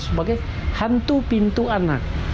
sebagai hantu pintu anak